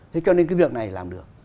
thế cho nên cái việc này làm được